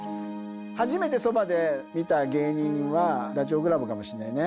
初めてそばで見た芸人は、ダチョウ倶楽部かもしれないね。